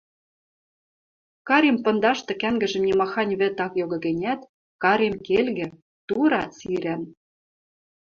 Карем пындашты кӓнгӹжӹм нимахань вӹд ак йогы гӹнят, карем келгӹ, тура сирӓн.